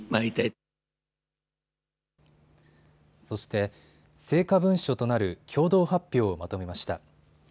そして、成果文書となる共同発表をまとめました。